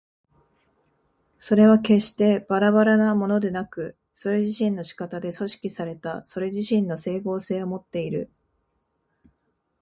それは決してばらばらなものでなく、それ自身の仕方で組織されたそれ自身の斉合性をもっている。